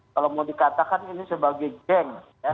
kalau mau dikatakan ini sebagai geng